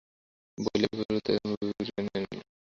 বলিয়া বিপুলায়তন বিপিনকে টানিয়া আনিল।